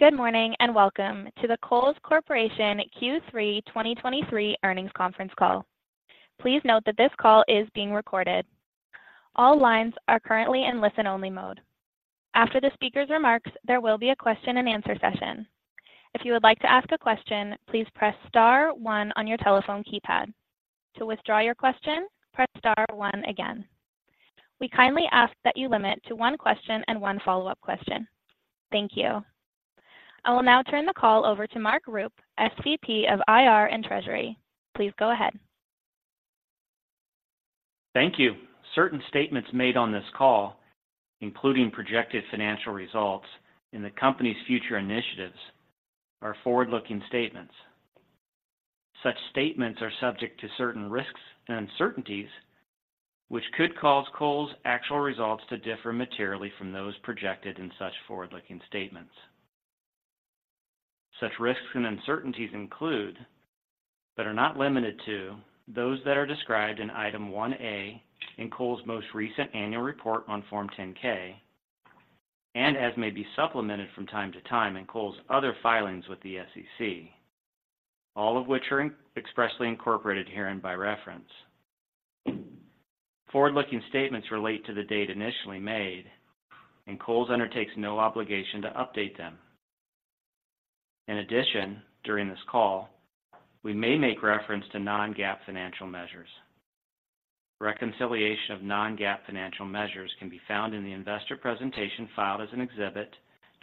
Good morning, and welcome to the Kohl's Corporation Q3 2023 earnings conference call. Please note that this call is being recorded. All lines are currently in listen-only mode. After the speaker's remarks, there will be a question-and-answer session. If you would like to ask a question, please press star one on your telephone keypad. To withdraw your question, press star one again. We kindly ask that you limit to one question and one follow-up question. Thank you. I will now turn the call over to Mark Rupe, SVP of IR and Treasury. Please go ahead. Thank you. Certain statements made on this call, including projected financial results and the company's future initiatives, are forward-looking statements. Such statements are subject to certain risks and uncertainties, which could cause Kohl's actual results to differ materially from those projected in such forward-looking statements. Such risks and uncertainties include, but are not limited to, those that are described in Item 1A in Kohl's most recent annual report on Form 10-K and as may be supplemented from time to time in Kohl's other filings with the SEC, all of which are expressly incorporated herein by reference. Forward-looking statements relate to the date initially made, and Kohl's undertakes no obligation to update them. In addition, during this call, we may make reference to non-GAAP financial measures. Reconciliation of non-GAAP financial measures can be found in the investor presentation filed as an exhibit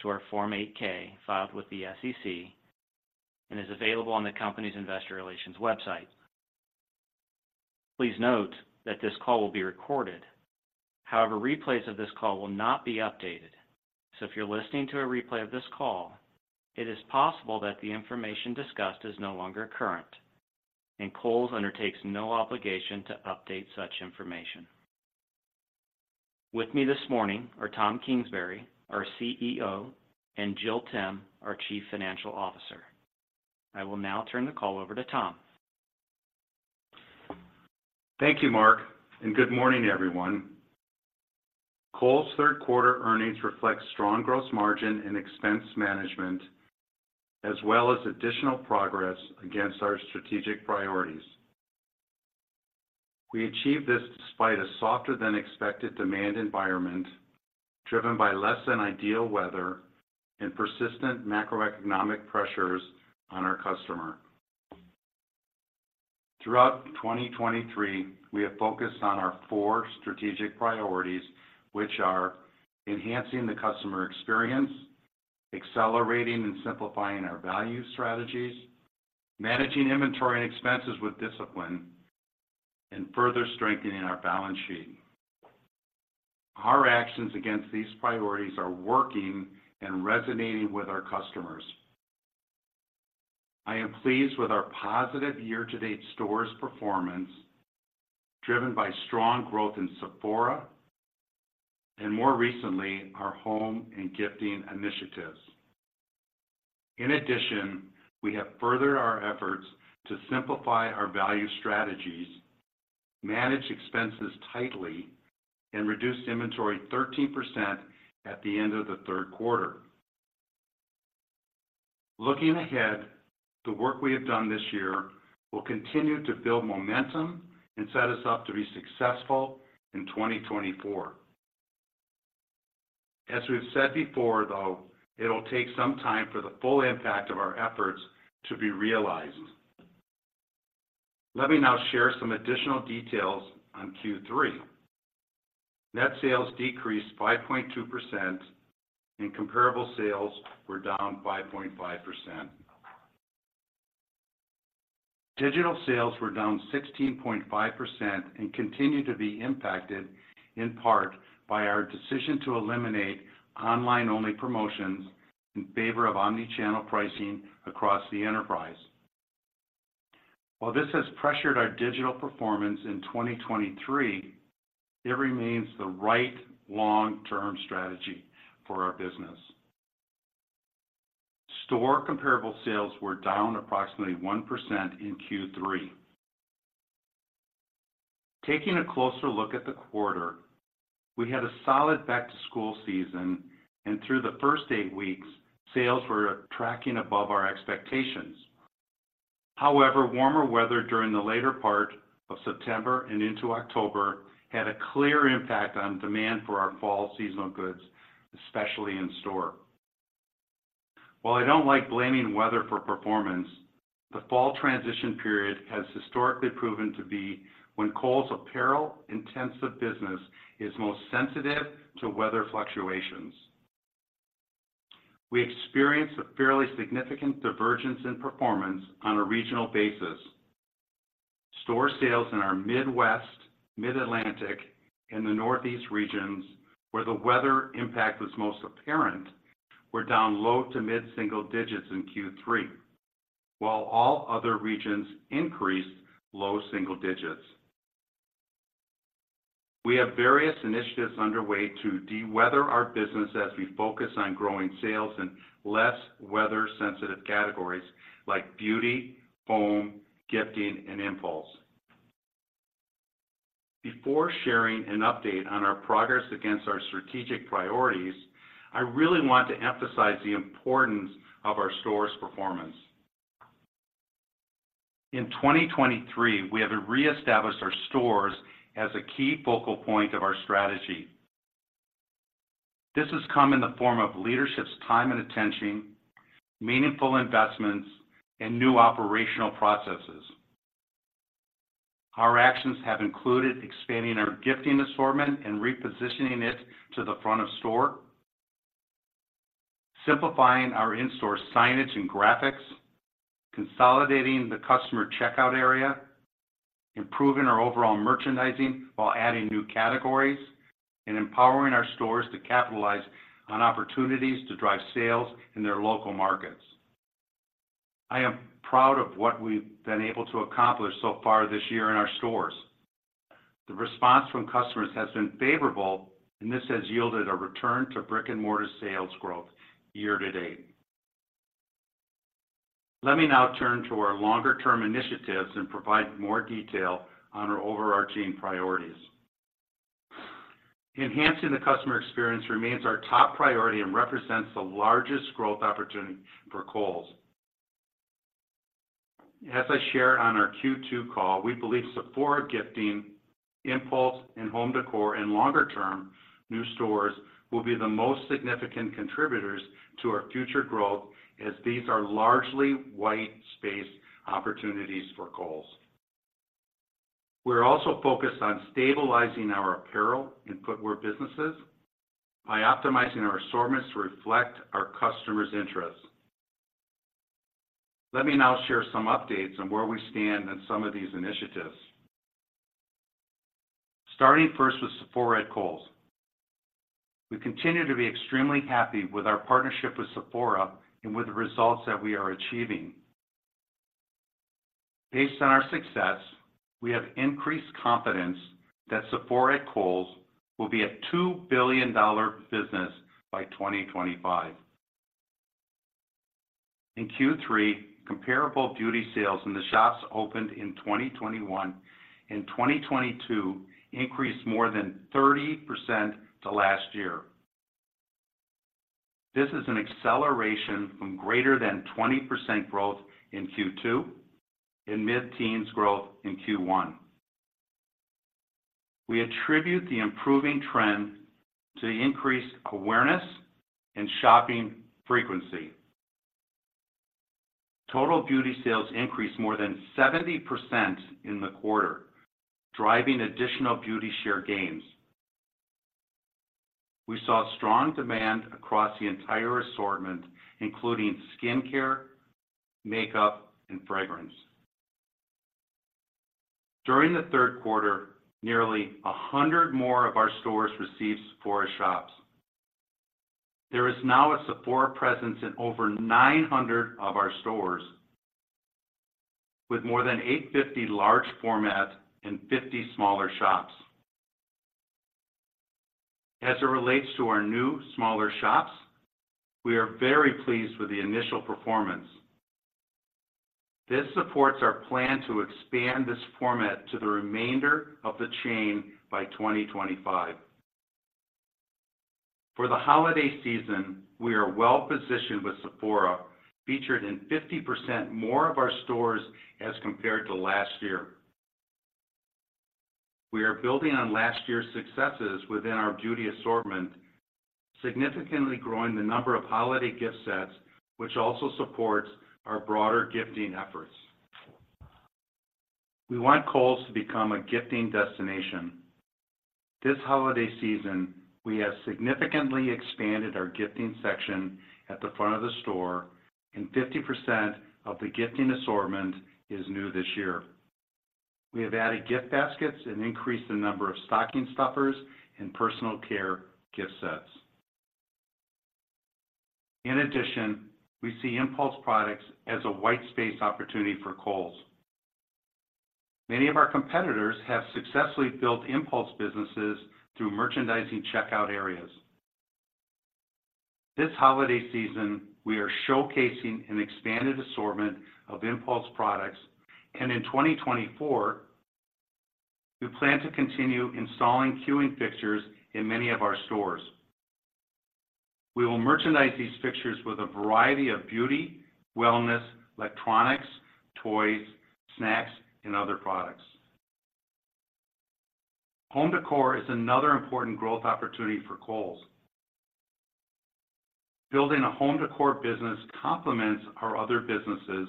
to our Form 8-K, filed with the SEC and is available on the company's investor relations website. Please note that this call will be recorded. However, replays of this call will not be updated, so if you're listening to a replay of this call, it is possible that the information discussed is no longer current, and Kohl's undertakes no obligation to update such information. With me this morning are Tom Kingsbury, our CEO, and Jill Timm, our Chief Financial Officer. I will now turn the call over to Tom. Thank you, Mark, and good morning, everyone. Kohl's third quarter earnings reflect strong gross margin and expense management, as well as additional progress against our strategic priorities. We achieved this despite a softer than expected demand environment, driven by less than ideal weather and persistent macroeconomic pressures on our customer. Throughout 2023, we have focused on our four strategic priorities, which are: enhancing the customer experience, accelerating and simplifying our value strategies, managing inventory and expenses with discipline, and further strengthening our balance sheet. Our actions against these priorities are working and resonating with our customers. I am pleased with our positive year-to-date stores performance, driven by strong growth in Sephora and, more recently, our home and gifting initiatives. In addition, we have furthered our efforts to simplify our value strategies, manage expenses tightly, and reduced inventory 13% at the end of the third quarter. Looking ahead, the work we have done this year will continue to build momentum and set us up to be successful in 2024. As we've said before, though, it'll take some time for the full impact of our efforts to be realized. Let me now share some additional details on Q3. Net sales decreased 5.2%, and comparable sales were down 5.5%. Digital sales were down 16.5% and continue to be impacted, in part, by our decision to eliminate online-only promotions in favor of omnichannel pricing across the enterprise. While this has pressured our digital performance in 2023, it remains the right long-term strategy for our business. Store comparable sales were down approximately 1% in Q3. Taking a closer look at the quarter, we had a solid back-to-school season, and through the first eight weeks, sales were tracking above our expectations. However, warmer weather during the later part of September and into October had a clear impact on demand for our fall seasonal goods, especially in store. While I don't like blaming weather for performance, the fall transition period has historically proven to be when Kohl's apparel-intensive business is most sensitive to weather fluctuations. We experienced a fairly significant divergence in performance on a regional basis. Store sales in our Midwest, Mid-Atlantic, and the Northeast regions, where the weather impact was most apparent, were down low to mid-single digits in Q3, while all other regions increased low single digits. We have various initiatives underway to de-weather our business as we focus on growing sales in less weather-sensitive categories like beauty, home, gifting, and impulse.... Before sharing an update on our progress against our strategic priorities, I really want to emphasize the importance of our stores' performance. In 2023, we have reestablished our stores as a key focal point of our strategy. This has come in the form of leadership's time and attention, meaningful investments, and new operational processes. Our actions have included expanding our gifting assortment and repositioning it to the front of store, simplifying our in-store signage and graphics, consolidating the customer checkout area, improving our overall merchandising while adding new categories, and empowering our stores to capitalize on opportunities to drive sales in their local markets. I am proud of what we've been able to accomplish so far this year in our stores. The response from customers has been favorable, and this has yielded a return to brick-and-mortar sales growth year-to-date. Let me now turn to our longer-term initiatives and provide more detail on our overarching priorities. Enhancing the customer experience remains our top priority and represents the largest growth opportunity for Kohl's. As I shared on our Q2 call, we believe Sephora gifting, impulse, and home decor, and longer-term, new stores will be the most significant contributors to our future growth, as these are largely White Space opportunities for Kohl's. We're also focused on stabilizing our apparel and footwear businesses by optimizing our assortments to reflect our customers' interests. Let me now share some updates on where we stand on some of these initiatives. Starting first with Sephora at Kohl's. We continue to be extremely happy with our partnership with Sephora and with the results that we are achieving. Based on our success, we have increased confidence that Sephora at Kohl's will be a $2 billion business by 2025. In Q3, comparable beauty sales in the shops opened in 2021 and 2022 increased more than 30% to last year. This is an acceleration from greater than 20% growth in Q2 and mid-teens growth in Q1. We attribute the improving trend to increased awareness and shopping frequency. Total beauty sales increased more than 70% in the quarter, driving additional beauty share gains. We saw strong demand across the entire assortment, including skincare, makeup, and fragrance. During the third quarter, nearly 100 more of our stores received Sephora shops. There is now a Sephora presence in over 900 of our stores, with more than 850 large format and 50 smaller shops. As it relates to our new, smaller shops, we are very pleased with the initial performance. This supports our plan to expand this format to the remainder of the chain by 2025. For the holiday season, we are well positioned, with Sephora featured in 50% more of our stores as compared to last year. We are building on last year's successes within our beauty assortment, significantly growing the number of holiday gift sets, which also supports our broader gifting efforts. We want Kohl's to become a gifting destination. This holiday season, we have significantly expanded our gifting section at the front of the store, and 50% of the gifting assortment is new this year. We have added gift baskets and increased the number of stocking stuffers and personal care gift sets. In addition, we see impulse products as a white space opportunity for Kohl's. Many of our competitors have successfully built impulse businesses through merchandising checkout areas. This holiday season, we are showcasing an expanded assortment of impulse products, and in 2024, we plan to continue installing queuing fixtures in many of our stores. We will merchandise these fixtures with a variety of beauty, wellness, electronics, toys, snacks, and other products. Home decor is another important growth opportunity for Kohl's. Building a home decor business complements our other businesses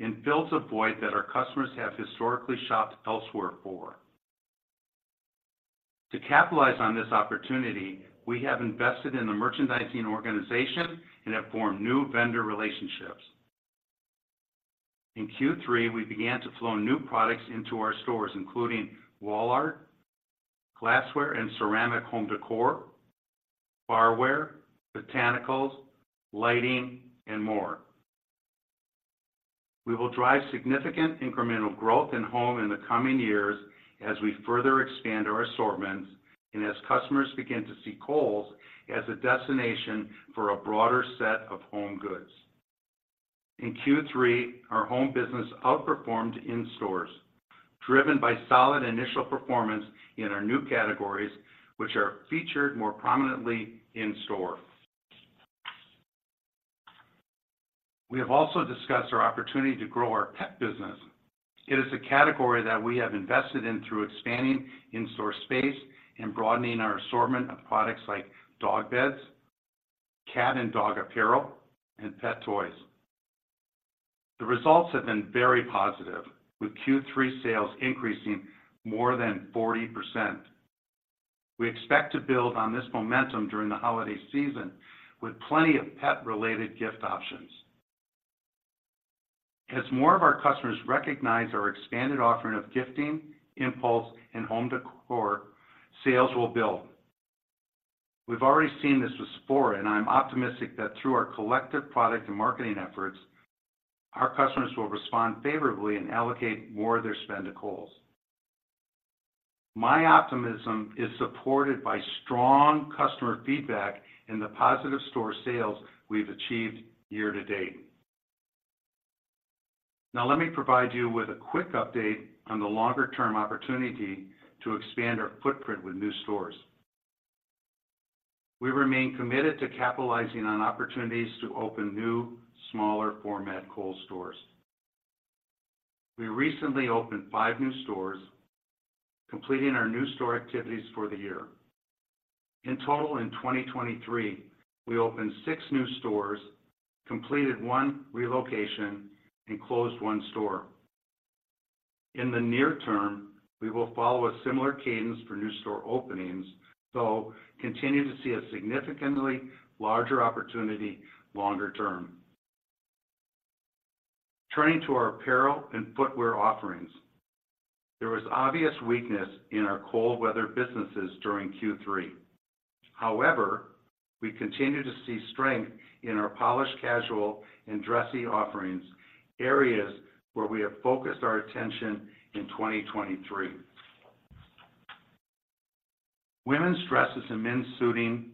and fills a void that our customers have historically shopped elsewhere for. To capitalize on this opportunity, we have invested in the merchandising organization and have formed new vendor relationships. In Q3, we began to flow new products into our stores, including wall art, glassware and ceramic home decor, barware, botanicals, lighting, and more. We will drive significant incremental growth in home in the coming years as we further expand our assortments and as customers begin to see Kohl's as a destination for a broader set of home goods. In Q3, our home business outperformed in stores, driven by solid initial performance in our new categories, which are featured more prominently in store. We have also discussed our opportunity to grow our pet business. It is a category that we have invested in through expanding in-store space and broadening our assortment of products like dog beds, cat and dog apparel, and pet toys. The results have been very positive, with Q3 sales increasing more than 40%. We expect to build on this momentum during the holiday season, with plenty of pet-related gift options. As more of our customers recognize our expanded offering of gifting, impulse, and home decor, sales will build. We've already seen this with Sephora, and I'm optimistic that through our collective product and marketing efforts, our customers will respond favorably and allocate more of their spend to Kohl's. My optimism is supported by strong customer feedback and the positive store sales we've achieved year to date. Now, let me provide you with a quick update on the longer-term opportunity to expand our footprint with new stores. We remain committed to capitalizing on opportunities to open new, smaller format Kohl's stores. We recently opened five new stores, completing our new store activities for the year. In total, in 2023, we opened six new stores, completed one relocation, and closed one store. In the near term, we will follow a similar cadence for new store openings, though continue to see a significantly larger opportunity longer term. Turning to our apparel and footwear offerings, there was obvious weakness in our cold weather businesses during Q3. However, we continue to see strength in our polished, casual, and dressy offerings, areas where we have focused our attention in 2023. Women's dresses and men's suiting,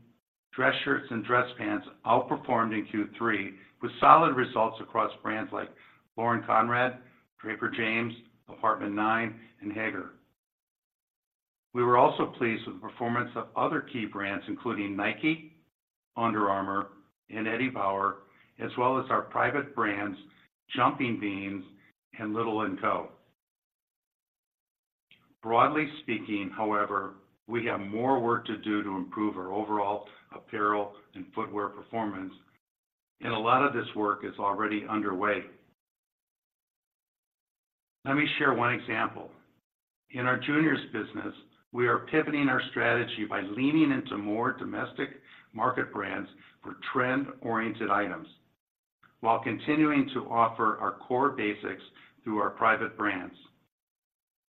dress shirts, and dress pants outperformed in Q3, with solid results across brands like Lauren Conrad, Draper James, Apartment Nine, and Haggar. We were also pleased with the performance of other key brands, including Nike, Under Armour, and Eddie Bauer, as well as our private brands, Jumping Beans and Little & Co. Broadly speaking, however, we have more work to do to improve our overall apparel and footwear performance, and a lot of this work is already underway. Let me share one example. In our juniors business, we are pivoting our strategy by leaning into more domestic market brands for trend-oriented items, while continuing to offer our core basics through our private brands.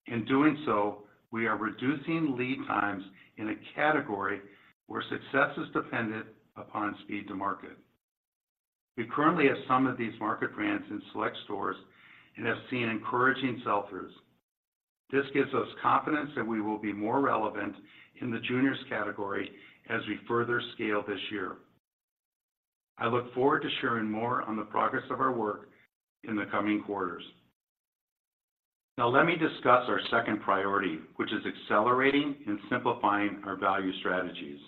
In doing so, we are reducing lead times in a category where success is dependent upon speed to market. We currently have some of these market brands in select stores and have seen encouraging sell-throughs. This gives us confidence that we will be more relevant in the juniors category as we further scale this year. I look forward to sharing more on the progress of our work in the coming quarters. Now, let me discuss our second priority, which is accelerating and simplifying our value strategies.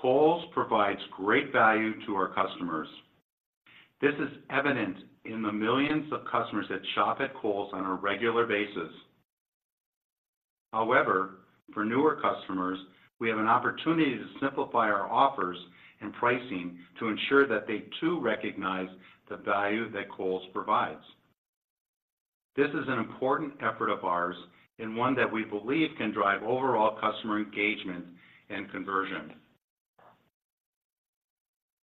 Kohl's provides great value to our customers. This is evident in the millions of customers that shop at Kohl's on a regular basis. However, for newer customers, we have an opportunity to simplify our offers and pricing to ensure that they too recognize the value that Kohl's provides. This is an important effort of ours and one that we believe can drive overall customer engagement and conversion.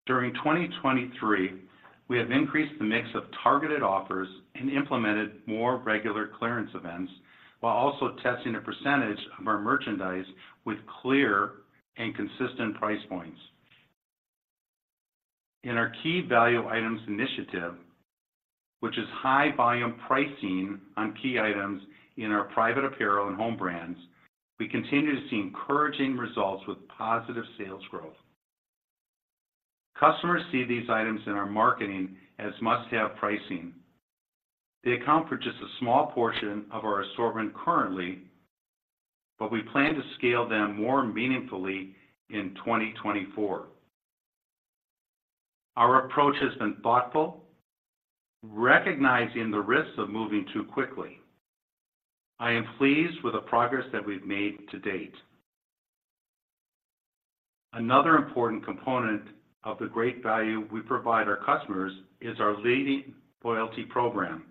During 2023, we have increased the mix of targeted offers and implemented more regular clearance events, while also testing a percentage of our merchandise with clear and consistent price points. In our key value items initiative, which is high-volume pricing on key items in our private apparel and home brands, we continue to see encouraging results with positive sales growth. Customers see these items in our marketing as must-have pricing. They account for just a small portion of our assortment currently, but we plan to scale them more meaningfully in 2024. Our approach has been thoughtful, recognizing the risks of moving too quickly. I am pleased with the progress that we've made to date. Another important component of the great value we provide our customers is our leading loyalty program.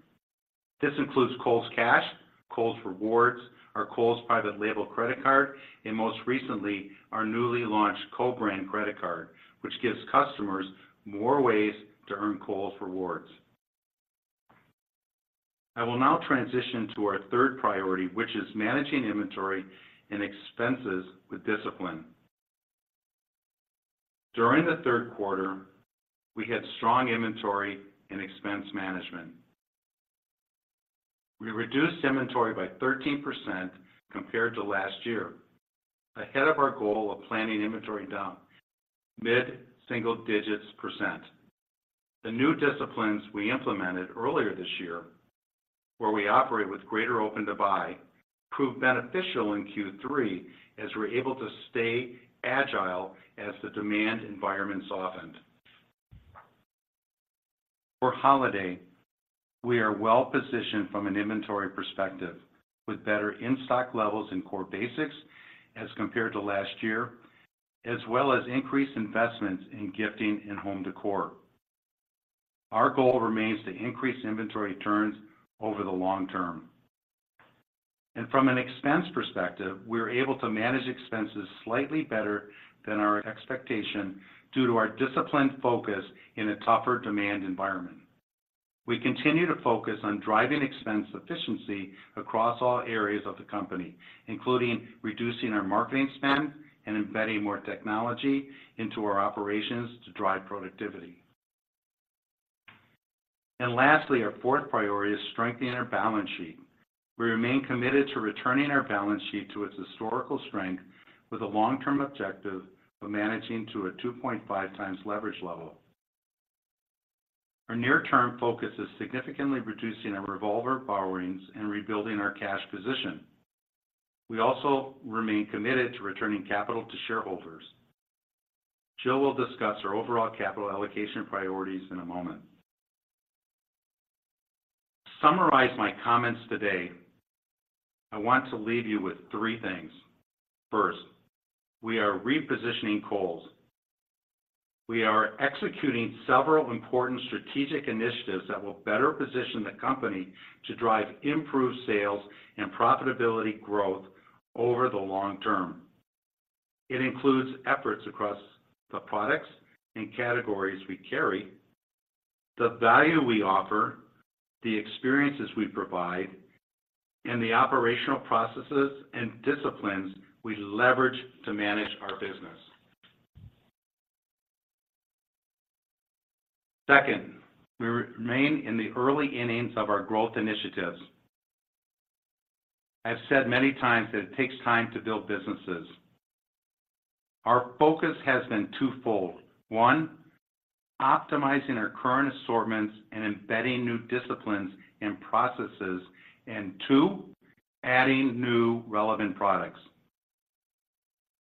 This includes Kohl's Cash, Kohl's Rewards, our Kohl's private label credit card, and most recently, our newly launched co-brand credit card, which gives customers more ways to earn Kohl's Rewards. I will now transition to our third priority, which is managing inventory and expenses with discipline. During the third quarter, we had strong inventory and expense management. We reduced inventory by 13% compared to last year, ahead of our goal of planning inventory down mid-single digits %. The new disciplines we implemented earlier this year, where we operate with greater Open to Buy, proved beneficial in Q3, as we're able to stay agile as the demand environment softened. For holiday, we are well positioned from an inventory perspective, with better in-stock levels in core basics as compared to last year, as well as increased investments in gifting and home decor. Our goal remains to increase inventory turns over the long term. From an expense perspective, we were able to manage expenses slightly better than our expectation due to our disciplined focus in a tougher demand environment. We continue to focus on driving expense efficiency across all areas of the company, including reducing our marketing spend and embedding more technology into our operations to drive productivity. Lastly, our fourth priority is strengthening our balance sheet. We remain committed to returning our balance sheet to its historical strength with a long-term objective of managing to a 2.5 times leverage level. Our near-term focus is significantly reducing our revolver borrowings and rebuilding our cash position. We also remain committed to returning capital to shareholders. Jill will discuss our overall capital allocation priorities in a moment. To summarize my comments today, I want to leave you with three things: First, we are repositioning Kohl's. We are executing several important strategic initiatives that will better position the company to drive improved sales and profitability growth over the long term. It includes efforts across the products and categories we carry, the value we offer, the experiences we provide, and the operational processes and disciplines we leverage to manage our business. Second, we remain in the early innings of our growth initiatives. I've said many times that it takes time to build businesses. Our focus has been twofold: One, optimizing our current assortments and embedding new disciplines and processes, and two, adding new relevant products.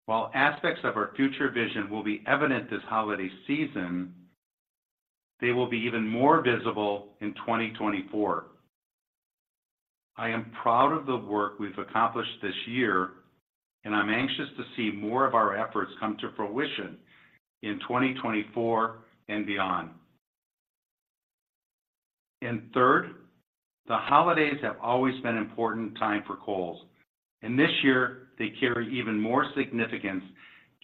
While aspects of our future vision will be evident this holiday season, they will be even more visible in 2024. I am proud of the work we've accomplished this year, and I'm anxious to see more of our efforts come to fruition in 2024 and beyond. And third, the holidays have always been an important time for Kohl's, and this year they carry even more significance,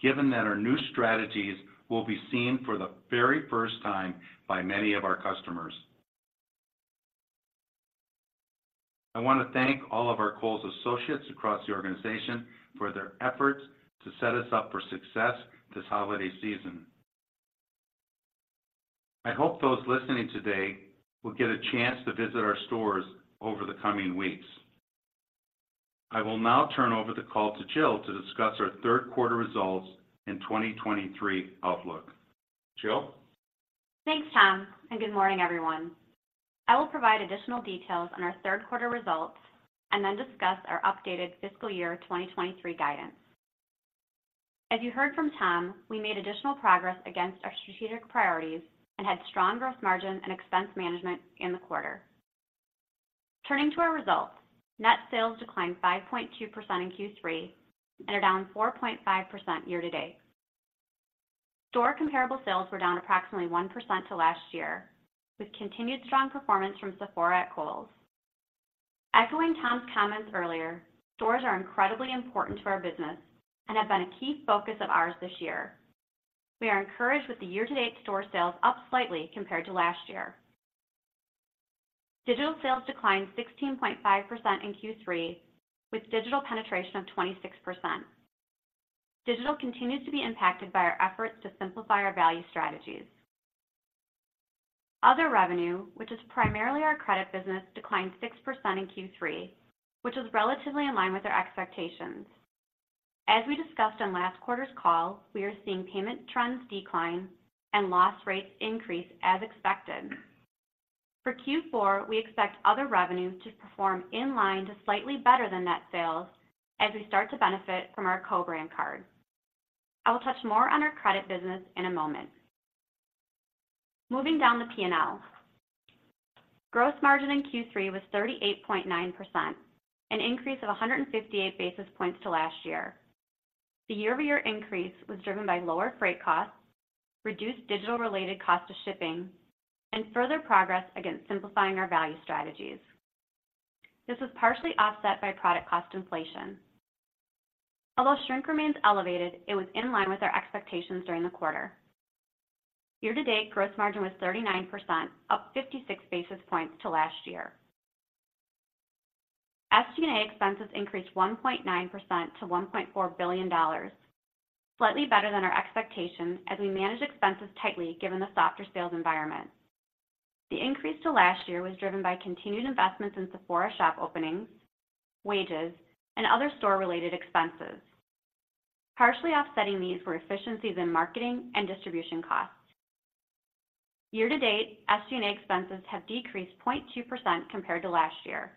given that our new strategies will be seen for the very first time by many of our customers. I want to thank all of our Kohl's associates across the organization for their efforts to set us up for success this holiday season. I hope those listening today will get a chance to visit our stores over the coming weeks. I will now turn over the call to Jill to discuss our third quarter results and 2023 outlook. Jill? Thanks, Tom, and good morning, everyone. I will provide additional details on our third quarter results and then discuss our updated fiscal year 2023 guidance. As you heard from Tom, we made additional progress against our strategic priorities and had strong gross margin and expense management in the quarter. Turning to our results, net sales declined 5.2% in Q3 and are down 4.5% year to date. Store comparable sales were down approximately 1% to last year, with continued strong performance from Sephora at Kohl's. Echoing Tom's comments earlier, stores are incredibly important to our business and have been a key focus of ours this year. We are encouraged with the year-to-date store sales up slightly compared to last year. Digital sales declined 16.5% in Q3, with digital penetration of 26%. Digital continues to be impacted by our efforts to simplify our value strategies. Other revenue, which is primarily our credit business, declined 6% in Q3, which is relatively in line with our expectations. As we discussed on last quarter's call, we are seeing payment trends decline and loss rates increase as expected. For Q4, we expect other revenue to perform in line to slightly better than net sales as we start to benefit from our co-brand card. I will touch more on our credit business in a moment. Moving down the P&L. Gross margin in Q3 was 38.9%, an increase of 158 basis points to last year. The year-over-year increase was driven by lower freight costs, reduced digital-related cost of shipping, and further progress against simplifying our value strategies. This was partially offset by product cost inflation. Although shrink remains elevated, it was in line with our expectations during the quarter. Year to date, gross margin was 39%, up 56 basis points to last year. SG&A expenses increased 1.9% to $1.4 billion, slightly better than our expectations as we manage expenses tightly given the softer sales environment. The increase to last year was driven by continued investments in Sephora shop openings, wages, and other store-related expenses. Partially offsetting these were efficiencies in marketing and distribution costs. Year to date, SG&A expenses have decreased 0.2% compared to last year.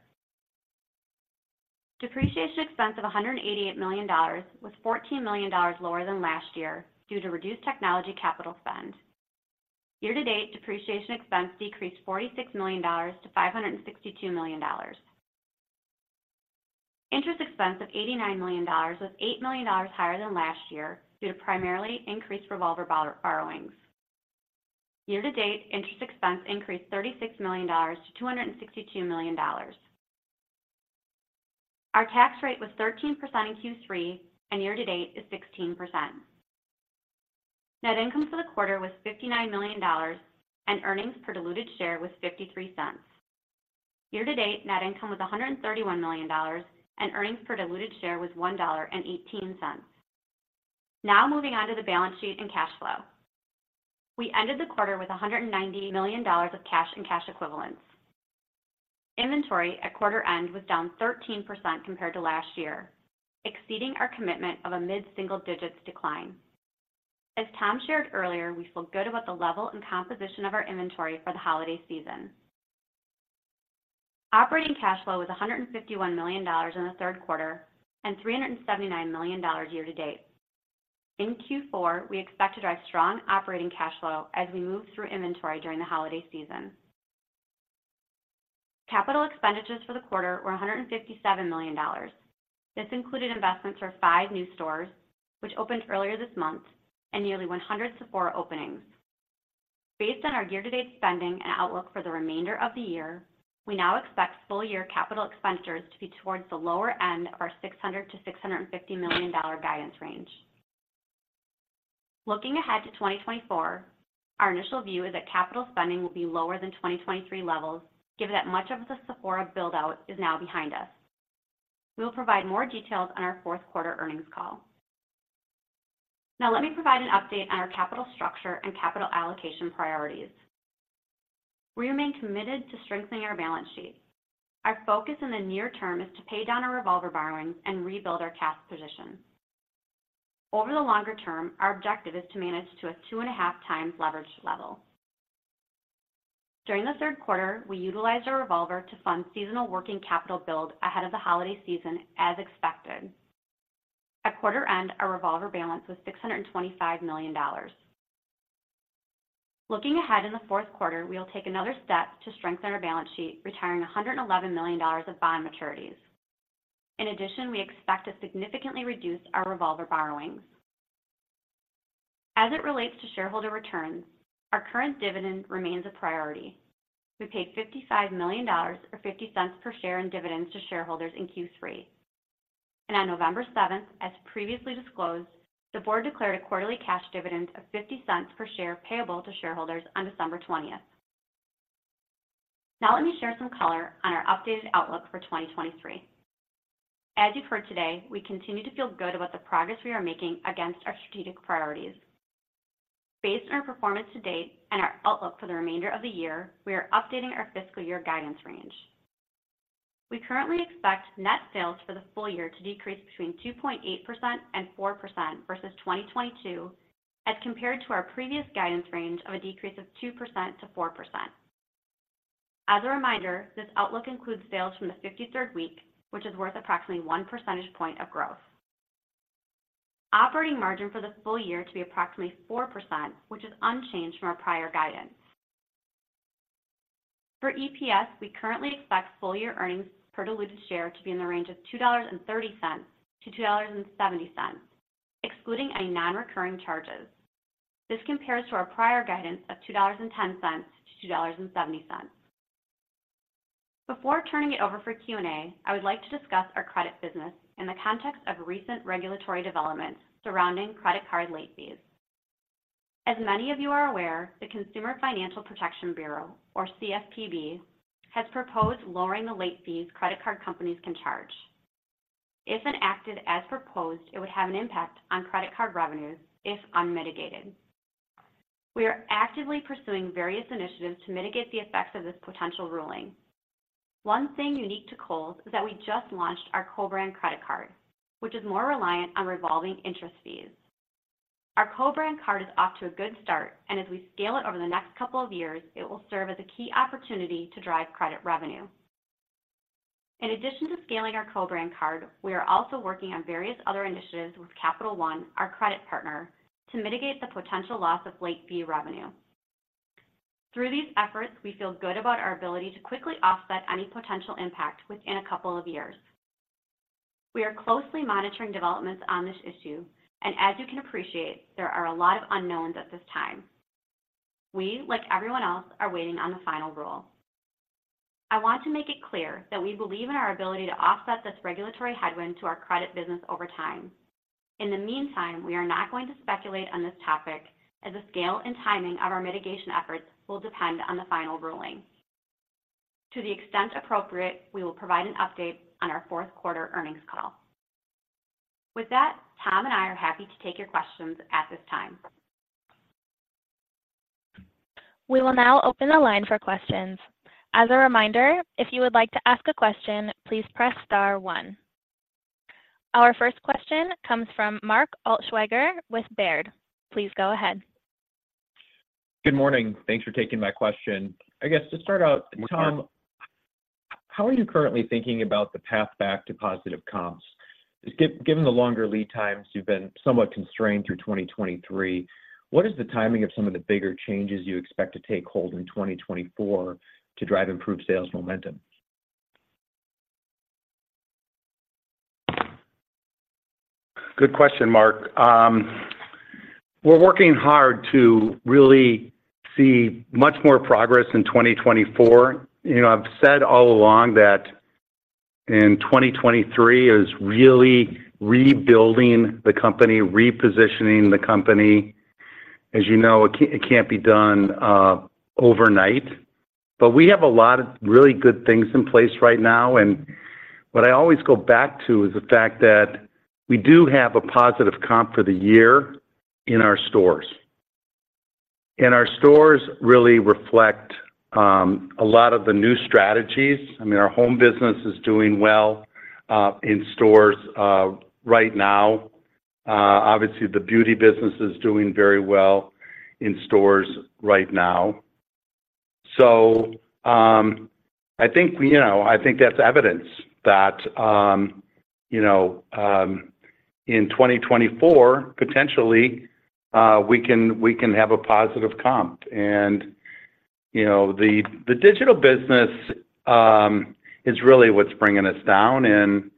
Depreciation expense of $188 million was $14 million lower than last year due to reduced technology capital spend. Year to date, depreciation expense decreased $46 million-$562 million. Interest expense of $89 million was $8 million higher than last year due to primarily increased revolver borrowings. Year to date, interest expense increased $36 million-$262 million. Our tax rate was 13% in Q3, and year to date is 16%. Net income for the quarter was $59 million, and earnings per diluted share was $0.53. Year to date, net income was $131 million, and earnings per diluted share was $1.18. Now moving on to the balance sheet and cash flow. We ended the quarter with $190 million of cash and cash equivalents. Inventory at quarter end was down 13% compared to last year, exceeding our commitment of a mid-single digits decline. As Tom shared earlier, we feel good about the level and composition of our inventory for the holiday season. Operating cash flow was $151 million in the third quarter and $379 million year to date. In Q4, we expect to drive strong operating cash flow as we move through inventory during the holiday season. Capital expenditures for the quarter were $157 million. This included investments for five new stores, which opened earlier this month, and nearly 100 Sephora openings. Based on our year-to-date spending and outlook for the remainder of the year, we now expect full year capital expenditures to be towards the lower end of our $600 million-$650 million guidance range. Looking ahead to 2024, our initial view is that capital spending will be lower than 2023 levels, given that much of the Sephora build-out is now behind us. We will provide more details on our fourth quarter earnings call. Now, let me provide an update on our capital structure and capital allocation priorities. We remain committed to strengthening our balance sheet. Our focus in the near term is to pay down our revolver borrowings and rebuild our cash position. Over the longer term, our objective is to manage to a 2.5 times leverage level. During the third quarter, we utilized our revolver to fund seasonal working capital build ahead of the holiday season, as expected. At quarter end, our revolver balance was $625 million. Looking ahead in the fourth quarter, we will take another step to strengthen our balance sheet, retiring $111 million of bond maturities. In addition, we expect to significantly reduce our revolver borrowings. As it relates to shareholder returns, our current dividend remains a priority. We paid $55 million, or 50 cents per share in dividends to shareholders in Q3. On November 7, as previously disclosed, the board declared a quarterly cash dividend of 50 cents per share, payable to shareholders on December 20. Now, let me share some color on our updated outlook for 2023. As you've heard today, we continue to feel good about the progress we are making against our strategic priorities. Based on our performance to date and our outlook for the remainder of the year, we are updating our fiscal year guidance range. We currently expect net sales for the full year to decrease between 2.8% and 4% versus 2022, as compared to our previous guidance range of a decrease of 2%-4%. As a reminder, this outlook includes sales from the 53rd week, which is worth approximately one percentage point of growth. Operating margin for the full year to be approximately 4%, which is unchanged from our prior guidance. For EPS, we currently expect full-year earnings per diluted share to be in the range of $2.30-$2.70, excluding any non-recurring charges. This compares to our prior guidance of $2.10-$2.70. Before turning it over for Q&A, I would like to discuss our credit business in the context of recent regulatory developments surrounding credit card late fees. As many of you are aware, the Consumer Financial Protection Bureau, or CFPB, has proposed lowering the late fees credit card companies can charge. If enacted as proposed, it would have an impact on credit card revenues if unmitigated. We are actively pursuing various initiatives to mitigate the effects of this potential ruling. One thing unique to Kohl's is that we just launched our co-brand credit card, which is more reliant on revolving interest fees. Our co-brand card is off to a good start, and as we scale it over the next couple of years, it will serve as a key opportunity to drive credit revenue. In addition to scaling our co-brand card, we are also working on various other initiatives with Capital One, our credit partner, to mitigate the potential loss of late fee revenue. Through these efforts, we feel good about our ability to quickly offset any potential impact within a couple of years. We are closely monitoring developments on this issue, and as you can appreciate, there are a lot of unknowns at this time. We, like everyone else, are waiting on the final rule. I want to make it clear that we believe in our ability to offset this regulatory headwind to our credit business over time.... In the meantime, we are not going to speculate on this topic, as the scale and timing of our mitigation efforts will depend on the final ruling. To the extent appropriate, we will provide an update on our fourth quarter earnings call. With that, Tom and I are happy to take your questions at this time. We will now open the line for questions. As a reminder, if you would like to ask a question, please press star one. Our first question comes from Mark Altschwager with Baird. Please go ahead. Good morning. Thanks for taking my question. I guess, to start out, Tom, how are you currently thinking about the path back to positive comps? Given the longer lead times, you've been somewhat constrained through 2023. What is the timing of some of the bigger changes you expect to take hold in 2024 to drive improved sales momentum? Good question, Mark. We're working hard to really see much more progress in 2024. You know, I've said all along that in 2023 is really rebuilding the company, repositioning the company. As you know, it can't be done overnight, but we have a lot of really good things in place right now, and what I always go back to is the fact that we do have a positive comp for the year in our stores. Our stores really reflect a lot of the new strategies. I mean, our home business is doing well in stores right now. Obviously, the beauty business is doing very well in stores right now. So, I think, you know, I think that's evidence that, you know, in 2024, potentially, we can have a positive comp. You know, the digital business is really what's bringing us down and,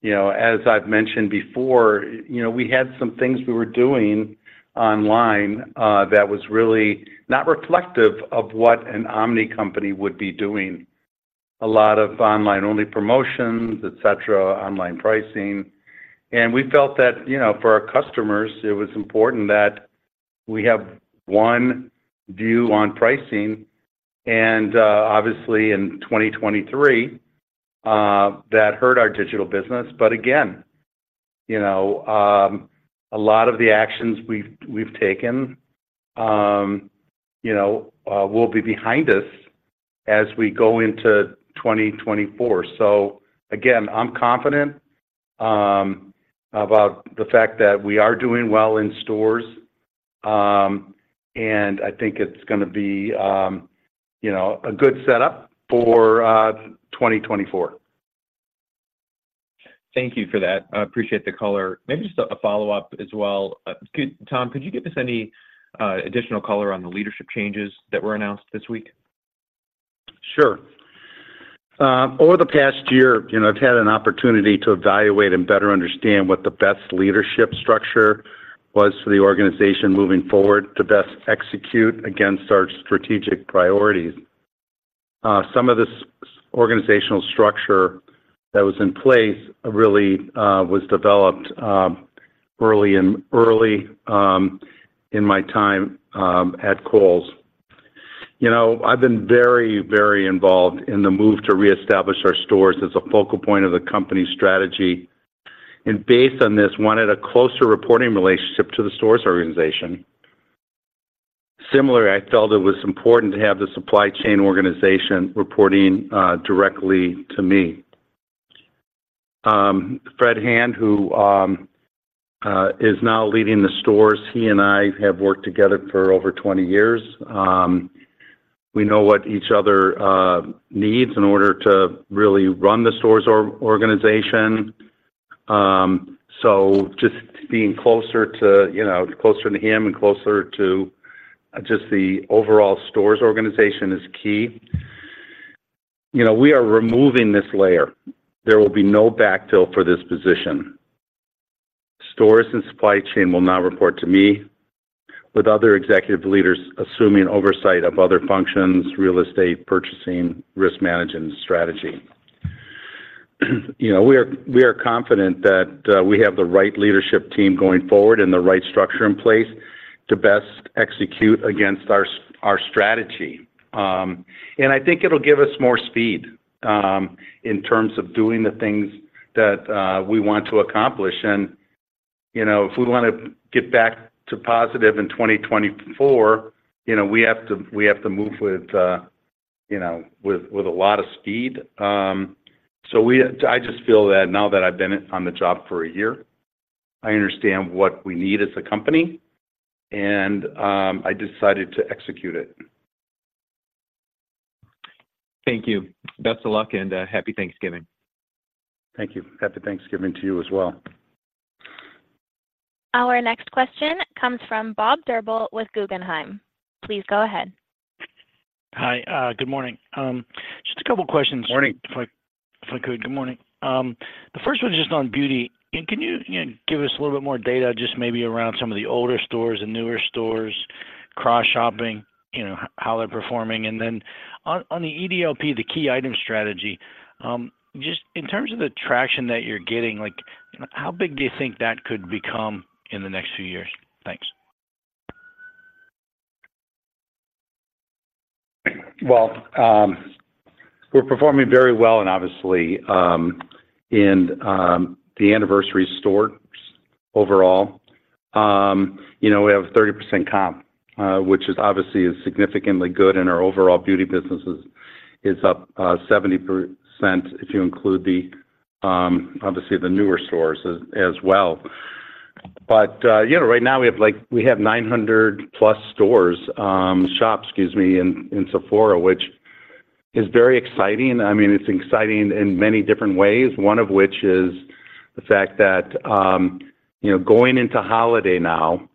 you know, as I've mentioned before, you know, we had some things we were doing online that was really not reflective of what an omni company would be doing. A lot of online-only promotions, et cetera, online pricing. We felt that, you know, for our customers, it was important that we have one view on pricing, and obviously, in 2023, that hurt our digital business. But again, you know, a lot of the actions we've taken, you know, will be behind us as we go into 2024. So again, I'm confident about the fact that we are doing well in stores and I think it's gonna be, you know, a good setup for 2024. Thank you for that. I appreciate the color. Maybe just a follow-up as well. Tom, could you give us any additional color on the leadership changes that were announced this week? Sure. Over the past year, you know, I've had an opportunity to evaluate and better understand what the best leadership structure was for the organization moving forward to best execute against our strategic priorities. Some of this organizational structure that was in place really was developed early in my time at Kohl's. You know, I've been very, very involved in the move to reestablish our stores as a focal point of the company's strategy, and based on this, wanted a closer reporting relationship to the stores organization. Similarly, I felt it was important to have the supply chain organization reporting directly to me. Fred Hand, who is now leading the stores, he and I have worked together for over 20 years. We know what each other needs in order to really run the stores organization. So just being closer to, you know, closer to him and closer to just the overall stores organization is key. You know, we are removing this layer. There will be no backfill for this position. Stores and supply chain will now report to me, with other executive leaders assuming oversight of other functions, real estate, purchasing, risk management, and strategy. You know, we are confident that we have the right leadership team going forward and the right structure in place to best execute against our strategy. And I think it'll give us more speed in terms of doing the things that we want to accomplish. And you know, if we wanna get back to positive in 2024, you know, we have to move with a lot of speed. I just feel that now that I've been on the job for a year, I understand what we need as a company, and I decided to execute it. Thank you. Best of luck, and Happy Thanksgiving. Thank you. Happy Thanksgiving to you as well. Our next question comes from Bob Drbul with Guggenheim. Please go ahead. Hi, good morning. Just a couple questions- Morning... if I could. Good morning. The first one is just on beauty. Can you, you know, give us a little bit more data, just maybe around some of the older stores and newer stores? ...cross shopping, you know, how they're performing. And then on the EDLP, the key item strategy, just in terms of the traction that you're getting, like, how big do you think that could become in the next few years? Thanks. Well, we're performing very well, and obviously, in the anniversary stores overall. You know, we have a 30% comp, which is obviously significantly good, and our overall beauty business is up 70%, if you include the obviously the newer stores as well. But you know, right now we have, like, we have 900+ stores, shops, excuse me, in Sephora, which is very exciting. I mean, it's exciting in many different ways. One of which is the fact that you know, going into holiday now,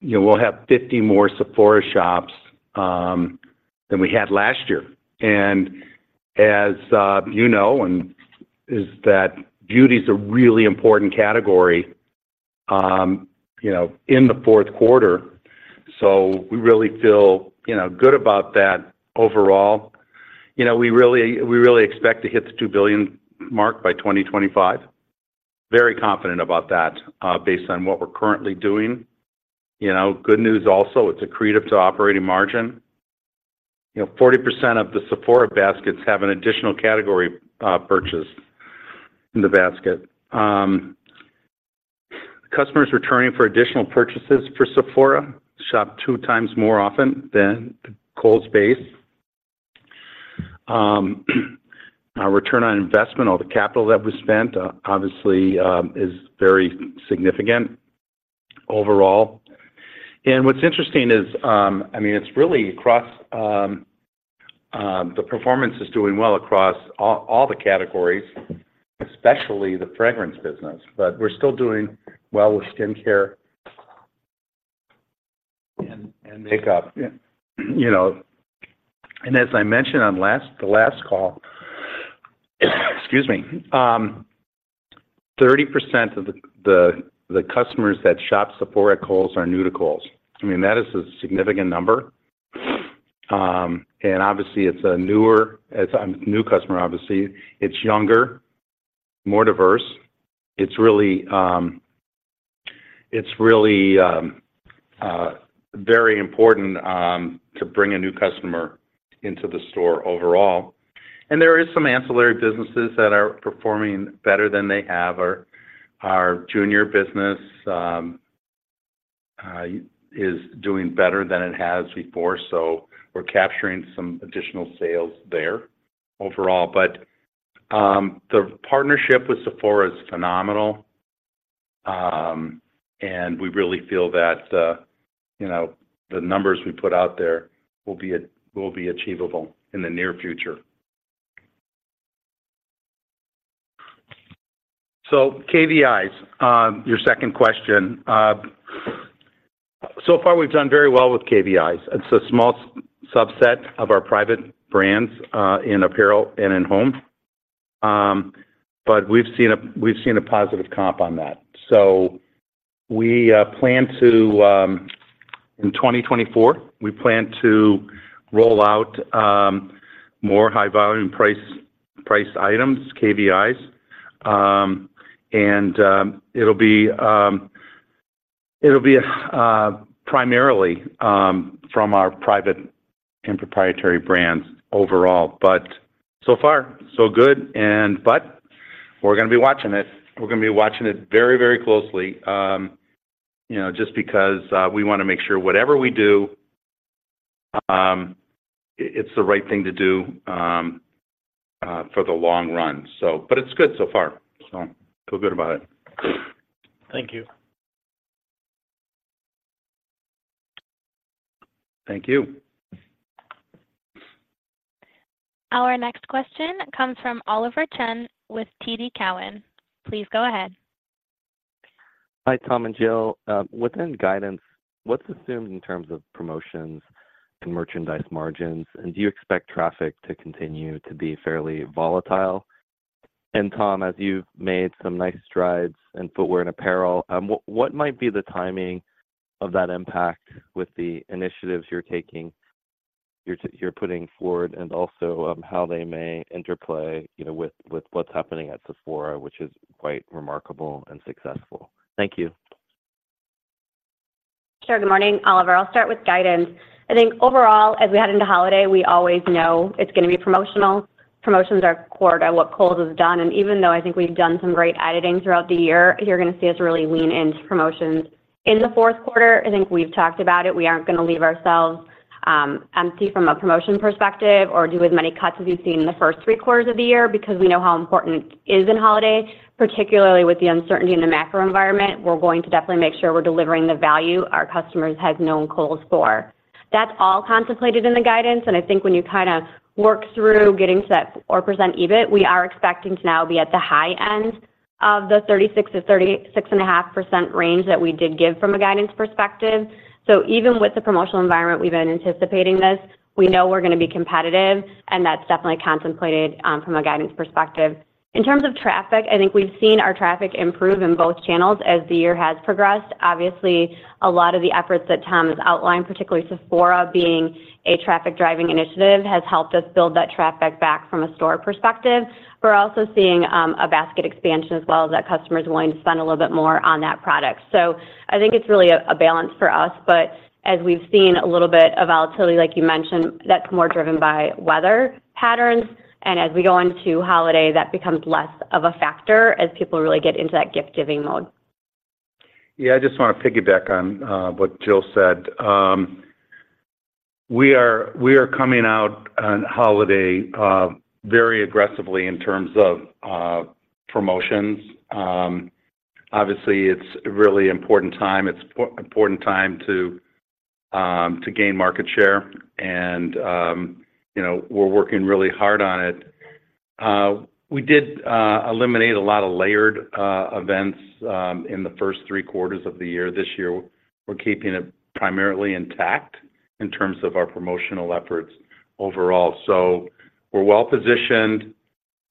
you know, we'll have 50 more Sephora shops than we had last year. And as you know, and that beauty is a really important category, you know, in the fourth quarter, so we really feel you know, good about that overall. You know, we really, we really expect to hit the $2 billion mark by 2025. Very confident about that, based on what we're currently doing. You know, good news also, it's accretive to operating margin. You know, 40% of the Sephora baskets have an additional category, purchased in the basket. Customers returning for additional purchases for Sephora shop 2 times more often than Kohl's base. Our return on investment, all the capital that was spent, obviously, is very significant overall. And what's interesting is, I mean, it's really across. The performance is doing well across all, all the categories, especially the fragrance business, but we're still doing well with skincare and makeup. You know, and as I mentioned on the last call, excuse me, 30% of the customers that shop Sephora at Kohl's are new to Kohl's. I mean, that is a significant number. And obviously, it's a new customer, obviously. It's younger, more diverse. It's really very important to bring a new customer into the store overall. And there is some ancillary businesses that are performing better than they have. Our junior business is doing better than it has before, so we're capturing some additional sales there overall. But the partnership with Sephora is phenomenal. And we really feel that, you know, the numbers we put out there will be achievable in the near future. So KVIs, your second question. So far, we've done very well with KVIs. It's a small subset of our private brands in apparel and in home. But we've seen a positive comp on that. So we plan to, in 2024, we plan to roll out more high volume price items, KVIs. And it'll be primarily from our private and proprietary brands overall, but so far, so good. But we're gonna be watching it. We're gonna be watching it very, very closely, you know, just because we wanna make sure whatever we do, it's the right thing to do for the long run. But it's good so far, so feel good about it. Thank you. Thank you. Our next question comes from Oliver Chen with TD Cowen. Please go ahead. Hi, Tom and Jill. Within guidance, what's assumed in terms of promotions and merchandise margins? Do you expect traffic to continue to be fairly volatile? Tom, as you've made some nice strides in footwear and apparel, what might be the timing of that impact with the initiatives you're taking—you're putting forward, and also, how they may interplay, you know, with what's happening at Sephora, which is quite remarkable and successful? Thank you. Sure. Good morning, Oliver. I'll start with guidance. I think overall, as we head into holiday, we always know it's gonna be promotional. Promotions are core to what Kohl's has done, and even though I think we've done some great editing throughout the year, you're gonna see us really lean into promotions. In the fourth quarter, I think we've talked about it, we aren't gonna leave ourselves empty from a promotion perspective or do as many cuts as you've seen in the first three quarters of the year, because we know how important it is in holiday, particularly with the uncertainty in the macro environment. We're going to definitely make sure we're delivering the value our customers have known Kohl's for. That's all contemplated in the guidance, and I think when you kind of work through getting to that 4% EBIT, we are expecting to now be at the high end of the 36%-36.5% range that we did give from a guidance perspective. So even with the promotional environment, we've been anticipating this. We know we're going to be competitive, and that's definitely contemplated from a guidance perspective. In terms of traffic, I think we've seen our traffic improve in both channels as the year has progressed. Obviously, a lot of the efforts that Tom has outlined, particularly Sephora being a traffic-driving initiative, has helped us build that traffic back from a store perspective. We're also seeing a basket expansion as well, as that customer is willing to spend a little bit more on that product. So I think it's really a balance for us, but as we've seen a little bit of volatility, like you mentioned, that's more driven by weather patterns, and as we go into holiday, that becomes less of a factor as people really get into that gift-giving mode. Yeah, I just want to piggyback on what Jill said. We are coming out on holiday very aggressively in terms of promotions. Obviously, it's a really important time. It's important time to gain market share, and you know, we're working really hard on it. We did eliminate a lot of layered events in the first three quarters of the year. This year, we're keeping it primarily intact in terms of our promotional efforts overall. So we're well positioned.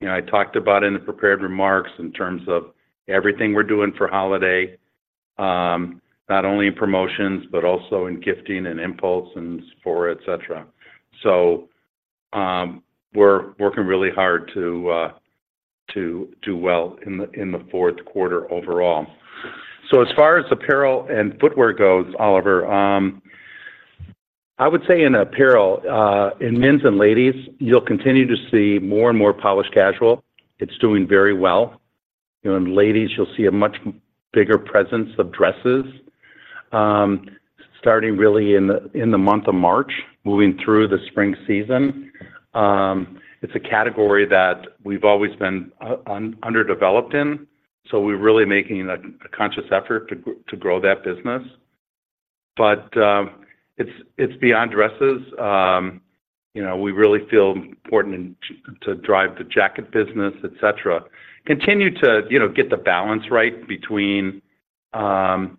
You know, I talked about in the prepared remarks in terms of everything we're doing for holiday, not only in promotions, but also in gifting and impulse and Sephora, et cetera. So, we're working really hard to do well in the fourth quarter overall. So as far as apparel and footwear goes, Oliver, I would say in apparel, in men's and ladies, you'll continue to see more and more polished casual. It's doing very well. You know, in ladies, you'll see a much bigger presence of dresses, starting really in the month of March, moving through the spring season. It's a category that we've always been underdeveloped in, so we're really making a conscious effort to grow that business. But, it's beyond dresses. You know, we really feel important to drive the jacket business, et cetera. Continue to, you know, get the balance right between the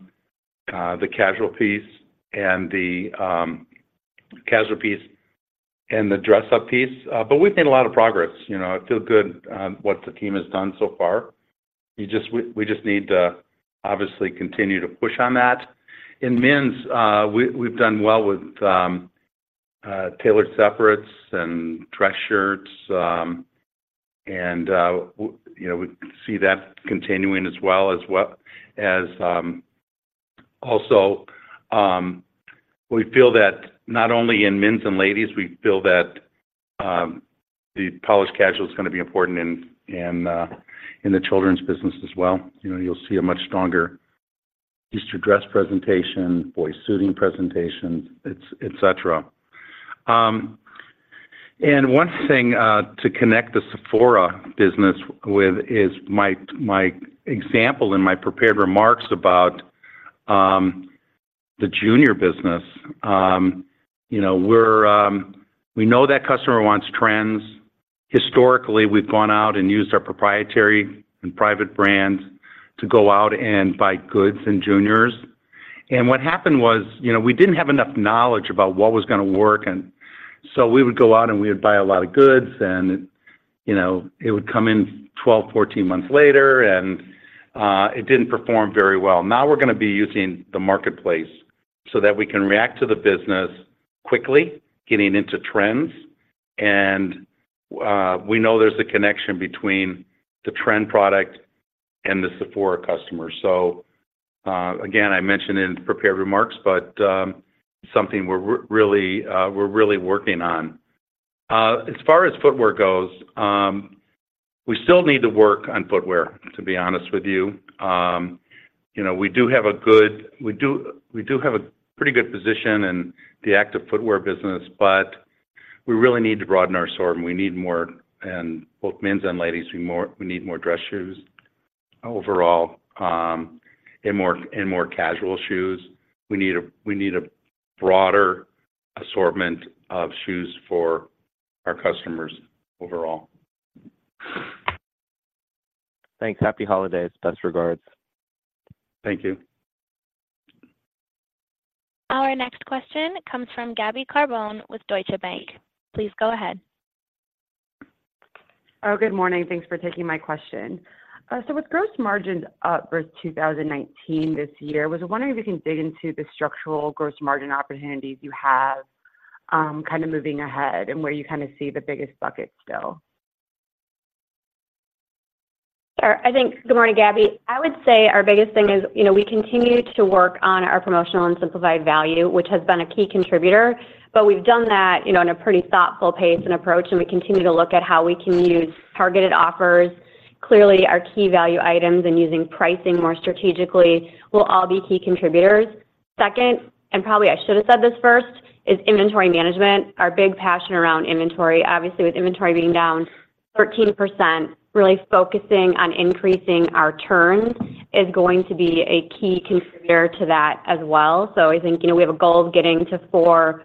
casual piece and the dress-up piece. But we've made a lot of progress, you know? I feel good on what the team has done so far. You just need to, obviously, continue to push on that. In men's, we've done well with tailored separates and dress shirts, and you know, we see that continuing as well as. Also, we feel that not only in men's and ladies, we feel that the polished casual is going to be important in the children's business as well. You know, you'll see a much stronger Easter dress presentation, boy suiting presentations, et cetera. And one thing to connect the Sephora business with is my example in my prepared remarks about the junior business. You know, we know that customer wants trends. Historically, we've gone out and used our proprietary and private brands to go out and buy goods in juniors. What happened was, you know, we didn't have enough knowledge about what was going to work, and so we would go out, and we would buy a lot of goods, and, you know, it would come in 12 months, 14 months later, and it didn't perform very well. Now, we're going to be using the marketplace so that we can react to the business quickly, getting into trends, and we know there's a connection between the trend product and the Sephora customer. So, again, I mentioned in the prepared remarks, but something we're really working on. As far as footwear goes, we still need to work on footwear, to be honest with you. You know, we do have a pretty good position in the active footwear business, but we really need to broaden our assortment. We need more. In both men's and ladies, we need more dress shoes overall, and more, and more casual shoes. We need a broader assortment of shoes for our customers overall. Thanks. Happy holidays. Best regards. Thank you. Our next question comes from Gabby Carbone with Deutsche Bank. Please go ahead. Oh, good morning. Thanks for taking my question. So with gross margins up for 2019 this year, I was wondering if you can dig into the structural gross margin opportunities you have, kind of moving ahead and where you kind of see the biggest buckets still? Sure. I think... Good morning, Gabby. I would say our biggest thing is, you know, we continue to work on our promotional and simplified value, which has been a key contributor, but we've done that, you know, in a pretty thoughtful pace and approach, and we continue to look at how we can use targeted offers. Clearly, our key value items and using pricing more strategically will all be key contributors. Second, and probably I should have said this first, is inventory management. Our big passion around inventory. Obviously, with inventory being down 13%, really focusing on increasing our turns is going to be a key contributor to that as well. So I think, you know, we have a goal of getting to 4+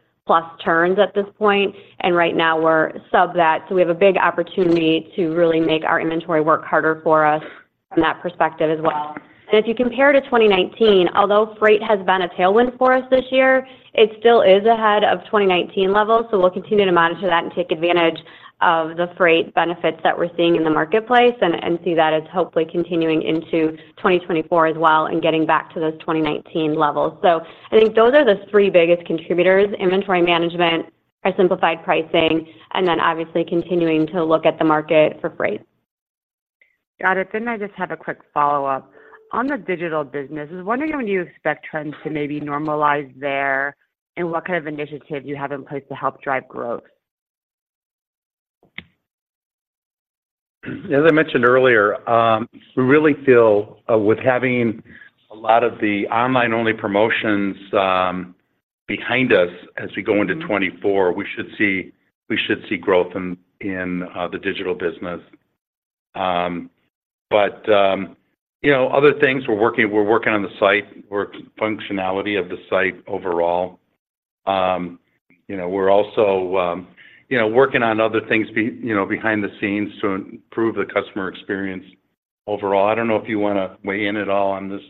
turns at this point, and right now we're sub that. So we have a big opportunity to really make our inventory work harder for us from that perspective as well. And if you compare to 2019, although freight has been a tailwind for us this year, it still is ahead of 2019 levels. So we'll continue to monitor that and take advantage of the freight benefits that we're seeing in the marketplace and see that as hopefully continuing into 2024 as well and getting back to those 2019 levels. So I think those are the three biggest contributors, inventory management, our simplified pricing, and then obviously continuing to look at the market for freight. Got it. I just have a quick follow-up. On the digital business, I was wondering when you expect trends to maybe normalize there, and what kind of initiative you have in place to help drive growth? As I mentioned earlier, we really feel with having a lot of the online-only promotions behind us as we go into 2024, we should see growth in the digital business. But you know, other things, we're working on the site functionality of the site overall. You know, we're also you know, working on other things you know, behind the scenes to improve the customer experience overall. I don't know if you want to weigh in at all on this.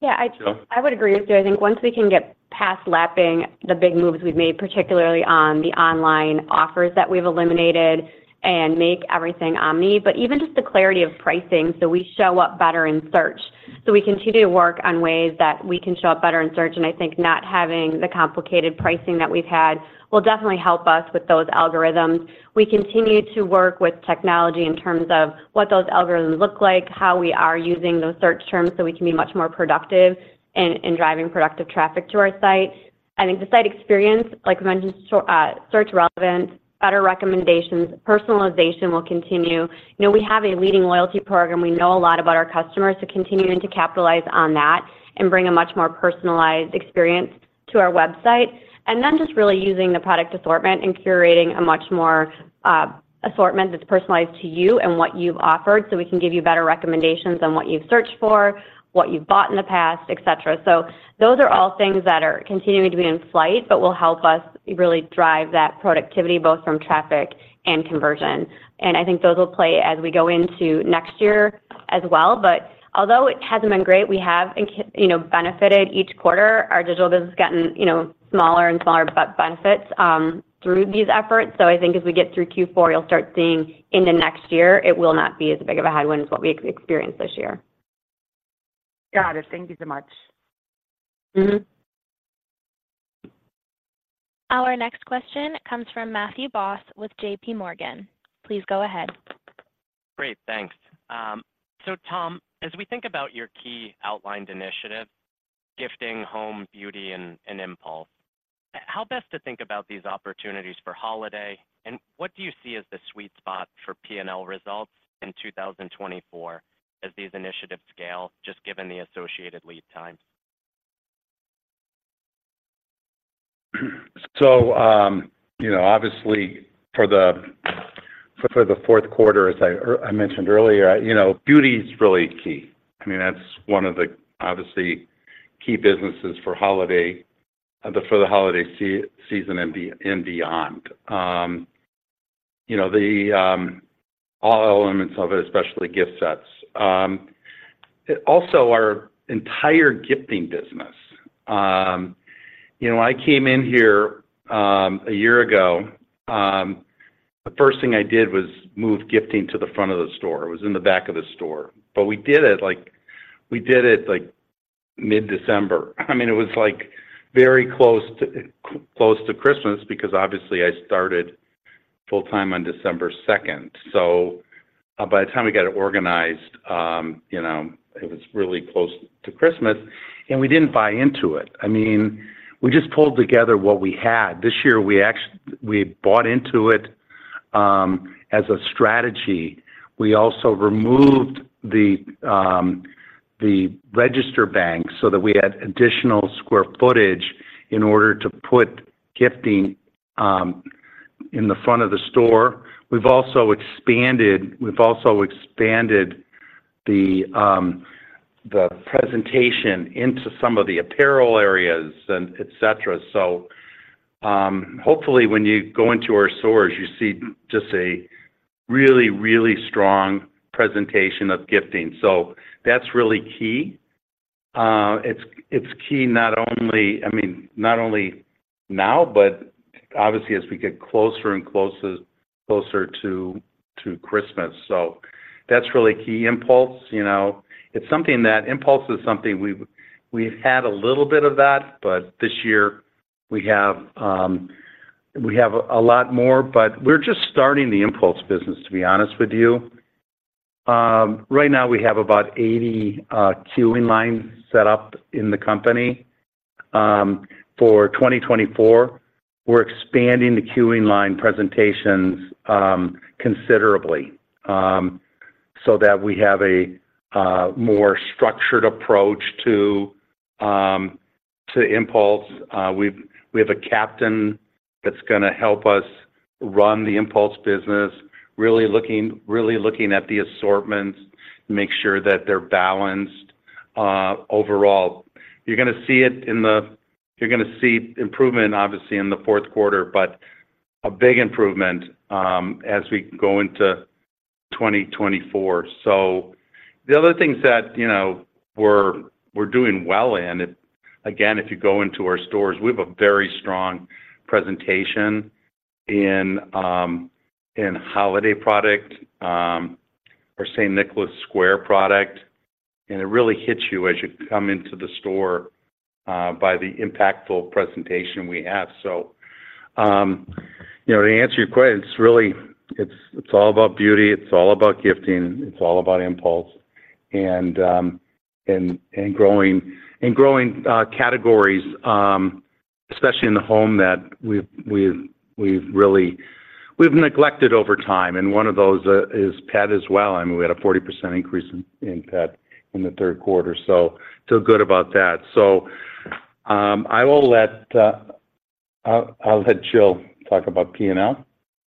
Yeah, I-... Jill. I would agree with you. I think once we can get past lapping the big moves we've made, particularly on the online offers that we've eliminated and make everything omni, but even just the clarity of pricing, so we show up better in search. So we continue to work on ways that we can show up better in search, and I think not having the complicated pricing that we've had will definitely help us with those algorithms. We continue to work with technology in terms of what those algorithms look like, how we are using those search terms, so we can be much more productive in driving productive traffic to our site. I think the site experience, like we mentioned, so, search relevance, better recommendations, personalization will continue. You know, we have a leading loyalty program. We know a lot about our customers, so continuing to capitalize on that and bring a much more personalized experience to our website. And then just really using the product assortment and curating a much more assortment that's personalized to you and what you've offered, so we can give you better recommendations on what you've searched for, what you've bought in the past, et cetera. So those are all things that are continuing to be in flight but will help us really drive that productivity, both from traffic and conversion. And I think those will play as we go into next year as well. But although it hasn't been great, we have, you know, benefited each quarter. Our digital business has gotten, you know, smaller and smaller, but benefits through these efforts. I think as we get through Q4, you'll start seeing into next year. It will not be as big of a headwind as what we experienced this year. Got it. Thank you so much. Mm-hmm. Our next question comes from Matthew Boss with JP Morgan. Please go ahead. Great. Thanks. So Tom, as we think about your key outlined initiative, gifting, home, beauty, and, and impulse, how best to think about these opportunities for holiday? And what do you see as the sweet spot for P&L results in 2024 as these initiatives scale, just given the associated lead time? So, you know, obviously for the fourth quarter, as I mentioned earlier, you know, beauty is really key. I mean, that's one of the obviously key businesses for the holiday season and beyond. You know, all elements of it, especially gift sets. Also our entire gifting business. You know, when I came in here, a year ago, the first thing I did was move gifting to the front of the store. It was in the back of the store, but we did it like, we did it like mid-December. I mean, it was like very close to Christmas because obviously I started full time on December second. So by the time we got it organized, you know, it was really close to Christmas, and we didn't buy into it. I mean, we just pulled together what we had. This year, we actually, we bought into it as a strategy. We also removed the register bank so that we had additional square footage in order to put gifting in the front of the store. We've also expanded, we've also expanded the presentation into some of the apparel areas and et cetera. So, hopefully, when you go into our stores, you see just a really, really strong presentation of gifting. So that's really key. It's key not only, I mean, not only now, but obviously as we get closer and closer, closer to Christmas. So that's really key. Impulse, you know, it's something that... Impulse is something we've had a little bit of that, but this year we have a lot more, but we're just starting the impulse business, to be honest with you. Right now, we have about 80 queuing lines set up in the company. For 2024, we're expanding the queuing line presentations considerably, so that we have a more structured approach to impulse. We have a captain that's gonna help us run the impulse business, really looking at the assortments, make sure that they're balanced overall. You're gonna see improvement, obviously, in the fourth quarter, but a big improvement as we go into 2024. So the other things that, you know, we're doing well in, if, again, if you go into our stores, we have a very strong presentation in holiday product, our St. Nicholas Square product, and it really hits you as you come into the store by the impactful presentation we have. So, you know, to answer your question, it's really all about beauty, it's all about gifting, it's all about impulse and growing categories, especially in the home that we've really neglected over time, and one of those is pet as well. I mean, we had a 40% increase in pet in the third quarter, so feel good about that. So I will let Jill talk about P&L.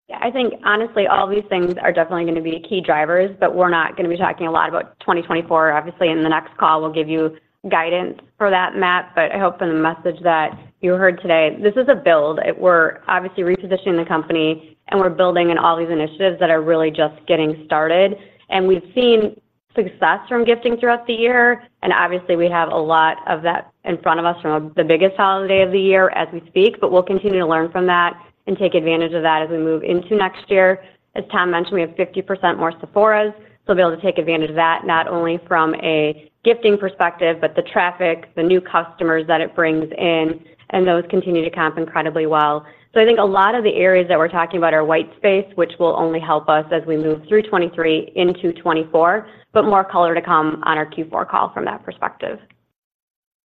Yeah, I think honestly, all these things are definitely going to be key drivers, but we're not going to be talking a lot about 2024. Obviously, in the next call, we'll give you guidance for that, Matt, but I hope in the message that you heard today, this is a build. We're obviously repositioning the company, and we're building in all these initiatives that are really just getting started. And we've seen success from gifting throughout the year, and obviously, we have a lot of that in front of us from the biggest holiday of the year as we speak, but we'll continue to learn from that and take advantage of that as we move into next year. As Tom mentioned, we have 50% more Sephoras, so we'll be able to take advantage of that, not only from a gifting perspective, but the traffic, the new customers that it brings in, and those continue to comp incredibly well. So I think a lot of the areas that we're talking about are white space, which will only help us as we move through 2023 into 2024, but more color to come on our Q4 call from that perspective.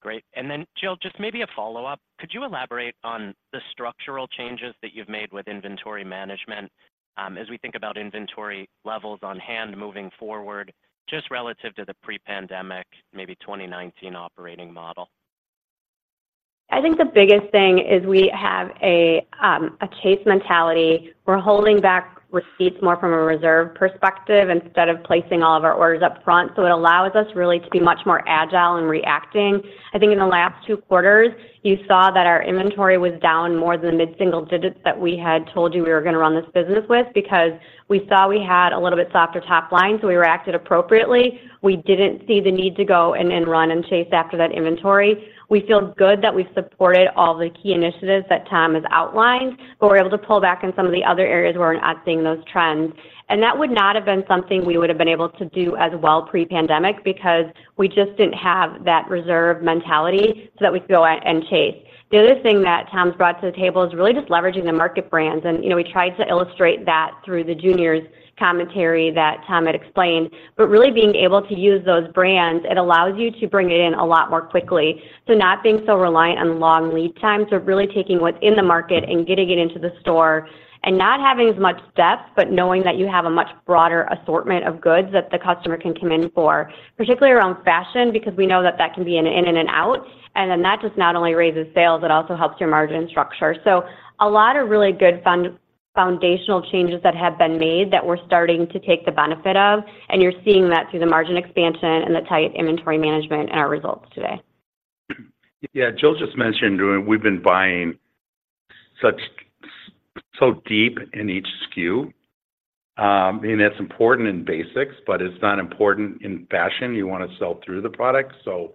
Great. Jill, just maybe a follow-up: could you elaborate on the structural changes that you've made with inventory management, as we think about inventory levels on hand moving forward, just relative to the pre-pandemic, maybe 2019 operating model? I think the biggest thing is we have a chase mentality. We're holding back receipts more from a reserve perspective instead of placing all of our orders up front, so it allows us really to be much more agile in reacting. I think in the last two quarters, you saw that our inventory was down more than the mid-single digits that we had told you we were going to run this business with, because we saw we had a little bit softer top line, so we reacted appropriately. We didn't see the need to go and run and chase after that inventory. We feel good that we supported all the key initiatives that Tom has outlined, but we're able to pull back in some of the other areas where we're not seeing those trends. That would not have been something we would have been able to do as well pre-pandemic because we just didn't have that reserve mentality so that we could go out and chase. The other thing that Tom's brought to the table is really just leveraging the market brands, and, you know, we tried to illustrate that through the juniors commentary that Tom had explained. But really being able to use those brands, it allows you to bring it in a lot more quickly. So not being so reliant on long lead times, so really taking what's in the market and getting it into the store and not having as much depth, but knowing that you have a much broader assortment of goods that the customer can come in for, particularly around fashion, because we know that that can be an in and an out. Then that just not only raises sales, it also helps your margin structure. A lot of really good foundational changes that have been made that we're starting to take the benefit of, and you're seeing that through the margin expansion and the tight inventory management in our results today. Yeah, Jill just mentioned we've been buying so deep in each SKU. And it's important in basics, but it's not important in fashion. You want to sell through the product. So,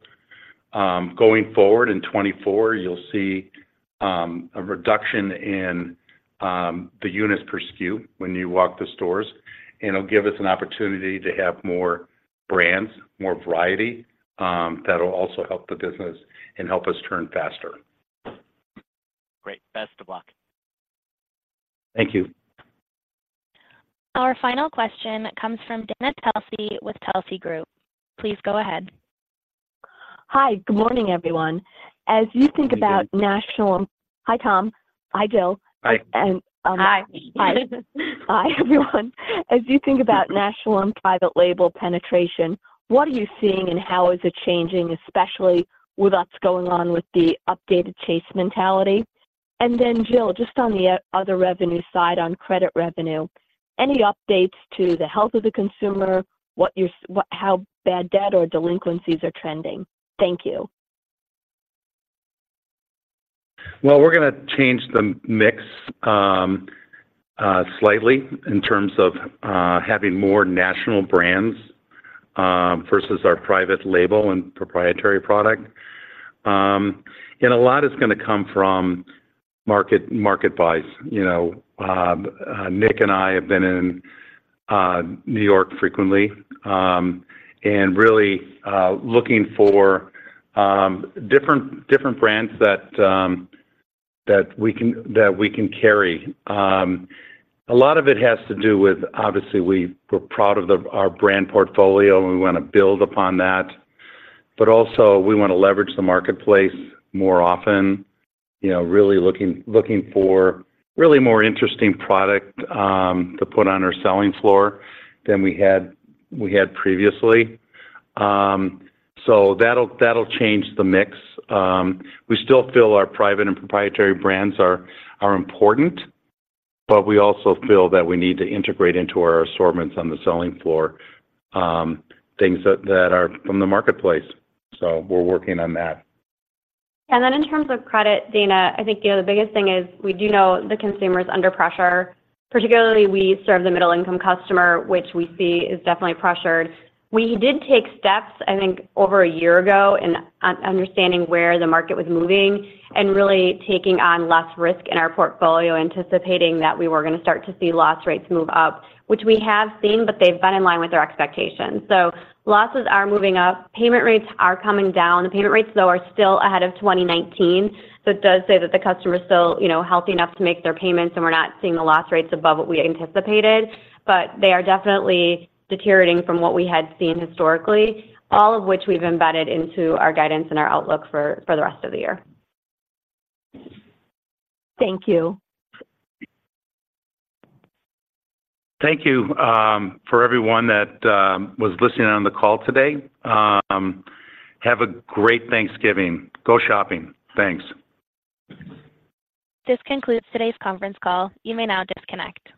going forward in 2024, you'll see a reduction in the units per SKU when you walk the stores, and it'll give us an opportunity to have more brands, more variety, that'll also help the business and help us turn faster. Great. Best of luck. Thank you. Our final question comes from Dana Telsey with Telsey Group. Please go ahead. Hi, good morning, everyone. As you think about national- Hi. Hi, Tom. Hi, Jill. Hi. Hi. Hi, everyone. As you think about national and private label penetration, what are you seeing and how is it changing, especially with what's going on with the updated chase mentality? And then, Jill, just on the other revenue side, on credit revenue, any updates to the health of the consumer? What... How bad debt or delinquencies are trending? Thank you. Well, we're going to change the mix slightly in terms of having more national brands versus our private label and proprietary product. And a lot is going to come from market buys. You know, Nick and I have been in New York frequently and really looking for different brands that we can carry. A lot of it has to do with, obviously, we're proud of our brand portfolio, and we want to build upon that, but also we want to leverage the marketplace more often, you know, really looking for really more interesting product to put on our selling floor than we had previously. So that'll change the mix. We still feel our private and proprietary brands are important, but we also feel that we need to integrate into our assortments on the selling floor things that are from the marketplace. So we're working on that. And then in terms of credit, Dana, I think, you know, the biggest thing is we do know the consumer is under pressure. Particularly, we serve the middle-income customer, which we see is definitely pressured. We did take steps, I think, over a year ago in understanding where the market was moving and really taking on less risk in our portfolio, anticipating that we were going to start to see loss rates move up, which we have seen, but they've been in line with our expectations. So losses are moving up, payment rates are coming down. The payment rates, though, are still ahead of 2019, so it does say that the customer is still, you know, healthy enough to make their payments, and we're not seeing the loss rates above what we anticipated, but they are definitely deteriorating from what we had seen historically, all of which we've embedded into our guidance and our outlook for the rest of the year. Thank you. Thank you, for everyone that was listening on the call today. Have a great Thanksgiving. Go shopping. Thanks. This concludes today's conference call. You may now disconnect.